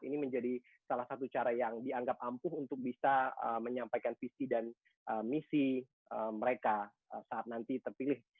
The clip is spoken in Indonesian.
ini menjadi salah satu cara yang dianggap ampuh untuk bisa menyampaikan visi dan misi mereka saat nanti terpilih